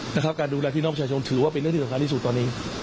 การดูแลพี่น้องประชาชนถือว่าเป็นเรื่องที่สำคัญที่สุดตอนนี้